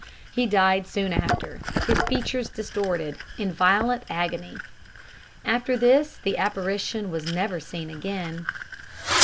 He died soon after his features distorted in violent agony. After this the apparition was never seen again.